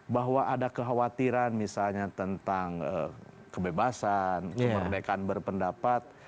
bahwa ada kekhawatiran misalnya tentang kebebasan kemerdekaan berpendapat